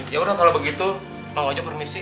yaudah kalau begitu bang ojo permisi